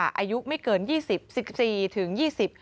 อายุไม่เกิน๒๔๒๐ปี